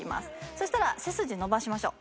そしたら背筋伸ばしましょう。